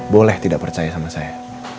boleh tidak percaya sama saya